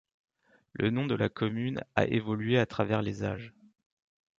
Le nom de la commune a évolué à travers les âges.